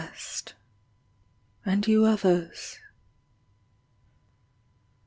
Rest. And you others